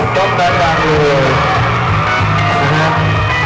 ขอบคุณทุกเรื่องราว